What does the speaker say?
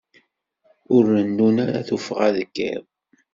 Ur nennum ara tuffɣa deg iḍ.